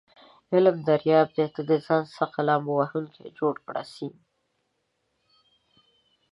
علم دریاب دی ته دځان څخه لامبو وهونکی جوړ کړه س